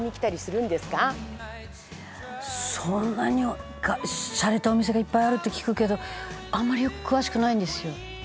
そんなにはシャレたお店がいっぱいあるって聞くけどあんまりよく詳しくないんですよ。